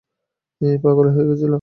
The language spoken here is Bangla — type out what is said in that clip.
পাগলই হয়ে গিয়েছিল।